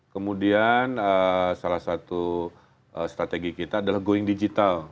kemudian salah satu strategi kita adalah going digital